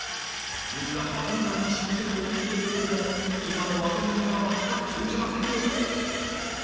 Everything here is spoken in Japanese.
みんな当たり前に知ってると思っている事でも今の若者には全く通じませんよ